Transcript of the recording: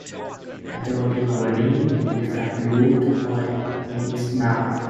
A dog running with a blue toy in its mouth.